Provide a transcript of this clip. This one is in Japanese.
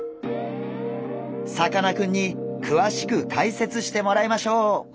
さかなクンにくわしく解説してもらいましょう！